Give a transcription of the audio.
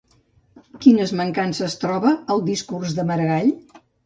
Quines mancances troba al discurs de Maragall?